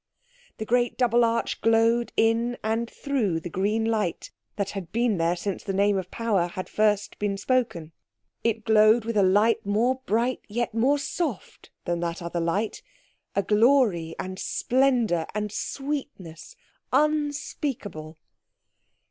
The great double arch glowed in and through the green light that had been there since the Name of Power had first been spoken—it glowed with a light more bright yet more soft than the other light—a glory and splendour and sweetness unspeakable.